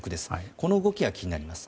この動きが気になります。